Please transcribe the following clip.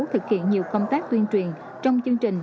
thực hiện nhiều công tác tuyên truyền trong chương trình